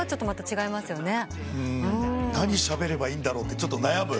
何しゃべればいいんだろってちょっと悩む。